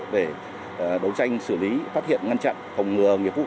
để đấu tranh xử lý phát hiện ngăn chặn phòng ngừa nghiệp vụ